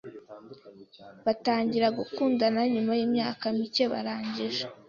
batangira gukundana nyuma yimyaka mike barangije.